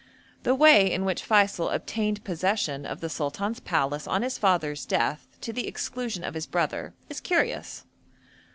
The way in which Feysul obtained possession of the Sultan's palace on his father's death, to the exclusion of his brother, is curious.